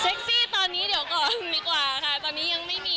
ซี่ตอนนี้เดี๋ยวก่อนดีกว่าค่ะตอนนี้ยังไม่มี